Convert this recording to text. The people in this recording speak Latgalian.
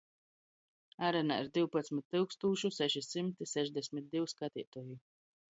Arenā ir divpadsmit tyukstūšu seši symti sešdesmit div skateituoji.